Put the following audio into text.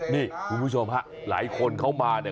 นี่คุณผู้ชมฮะหลายคนเข้ามาเนี่ย